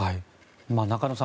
中野さん